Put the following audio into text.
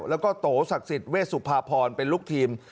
แล้วก็โตศักดิ์สิทธิเวชสุภาพรเป็นลูกทีม